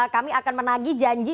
kami akan menagi janji